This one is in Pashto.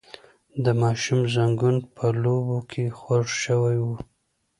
د ماشوم زنګون په لوبو کې خوږ شوی و.